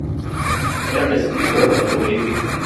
Era un escritor prolífico.